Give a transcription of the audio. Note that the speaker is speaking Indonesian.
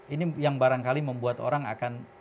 ini yang barangkali membuat orang akan